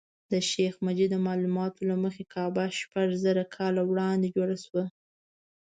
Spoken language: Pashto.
د شیخ مجید د معلوماتو له مخې کعبه شپږ زره کاله وړاندې جوړه شوه.